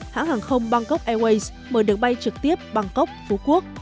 hãng hàng không bangkok airways mời được bay trực tiếp bangkok phú quốc